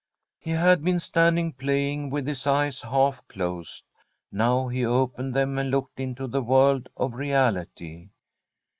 He had been standing playing, with his eyes half closed ; now he opened them and looked into the world of reality.